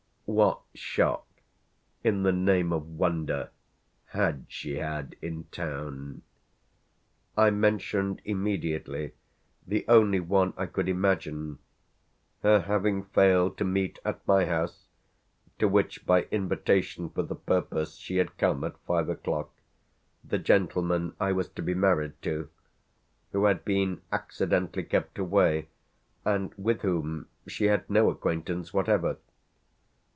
What shock, in the name of wonder, had she had in town? I mentioned immediately the only one I could imagine her having failed to meet at my house, to which by invitation for the purpose she had come at five o'clock, the gentleman I was to be married to, who had been accidentally kept away and with whom she had no acquaintance whatever.